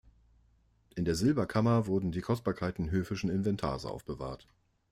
In der Silberkammer wurden die Kostbarkeiten höfischen Inventars aufbewahrt.